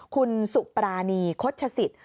คุณสุปราณีคตชศิษย์